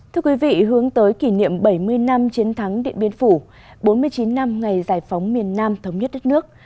thưa quý vị hướng tới kỷ niệm bảy mươi năm chiến thắng điện biên phủ bốn mươi chín năm ngày giải phóng miền nam thống nhất đất nước